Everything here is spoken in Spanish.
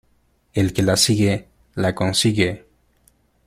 El que la sigue la consigue.